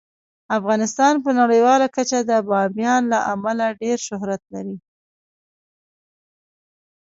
افغانستان په نړیواله کچه د بامیان له امله ډیر شهرت لري.